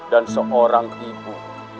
dan seorang ibu